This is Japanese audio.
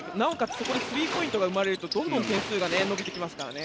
そこにスリーポイントが生まれるとどんどん点数が伸びてきますからね。